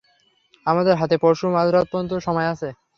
আমাদের হাতে পরশু মাঝ রাত পর্যন্তই সময় আছে।